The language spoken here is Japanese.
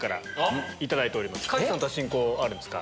梶さんとは親交あるんですか？